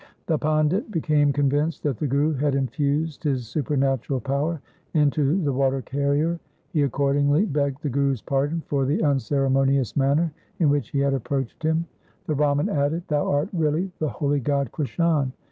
The pandit became convinced that the Guru had infused his supernatural power into the water carrier. He accordingly begged the Guru's pardon for the unceremonious manner in which he had approached him. The Brahman added, ' Thou art really the holy god Krishan.